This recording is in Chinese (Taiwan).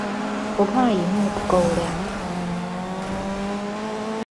不怕螢幕不夠亮